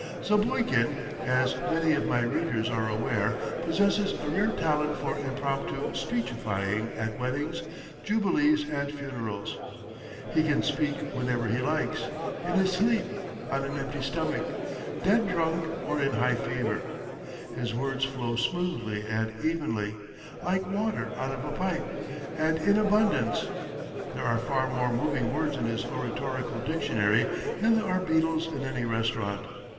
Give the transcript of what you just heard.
Zapoikin, as many of my readers are aware, possesses a rare talent for impromptu speechifying at weddings, jubilees, and funerals. He can speak whenever he likes: in his sleep, on an empty stomach, dead drunk or in a high fever. His words flow smoothly and evenly, like water out of a pipe, and in abundance; there are far more moving words in his oratorical dictionary than there are beetles in any restaurant.